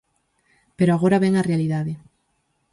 Pero agora vén a realidade.